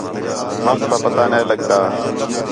وخت تا پتہ نے لڳدا